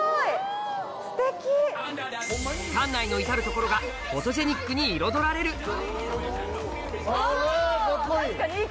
館内の至る所がフォトジェニックに彩られるあカッコいい！